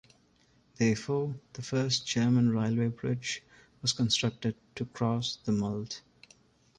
Therefore the first German railway bridge was constructed to cross the Mulde.